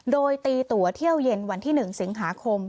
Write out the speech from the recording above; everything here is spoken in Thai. โดยตีตัวเที่ยวเย็นวันที่๑สิงหาคม